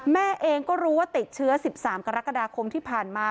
แม่เองก็รู้ว่าติดเชื้อ๑๓กรกฎาคมที่ผ่านมา